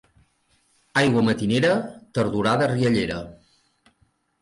Aigua matinera, tardorada riallera.